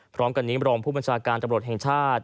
พร้อมกันนี้รองผู้บัญชาการตำรวจแห่งชาติ